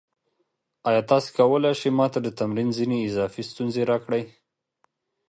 ایا تاسو کولی شئ ما ته د تمرین ځینې اضافي ستونزې راکړئ؟